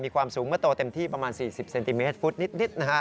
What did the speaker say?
ความสูงเมื่อโตเต็มที่ประมาณ๔๐เซนติเมตรฟุตนิด